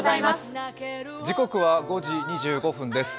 時刻は５時２５分です。